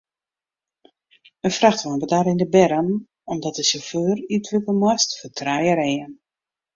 In frachtwein bedarre yn de berm omdat de sjauffeur útwike moast foar trije reeën.